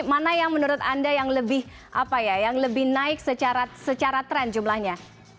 mana yang menurut anda yang lebih naik secara tren jumlahnya